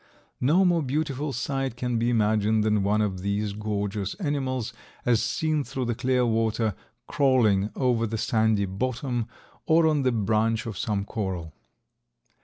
No more beautiful sight can be imagined than one of these gorgeous animals, as seen through the clear water, crawling over the sandy bottom or on the branch of some coral.